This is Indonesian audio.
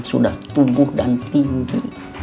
sudah tumbuh dan tinggi